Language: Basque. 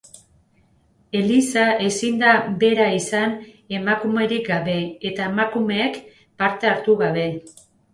Eliza ezin da bera izan emakumerik gabe eta emakumeek parte hartu gabe.